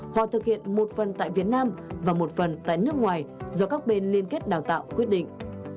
họ thực hiện một phần tại việt nam và một phần tại nước ngoài do các bên liên kết đào tạo quyết định